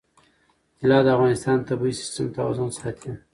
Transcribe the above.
طلا د افغانستان د طبعي سیسټم توازن ساتي.